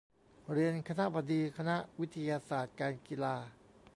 เรียน คณบดีคณะวิทยาศาสตร์การกีฬา